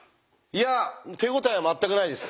いや手応えは全くないです。